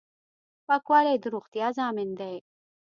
پاکوالی د روغتیا ضامن دی.